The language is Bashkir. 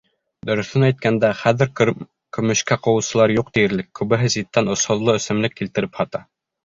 Дөрөҫөн әйткәндә, хәҙер көмөшкә ҡыуыусылар юҡ тиерлек, күбеһе ситтән осһоҙло эсемлек килтереп һата.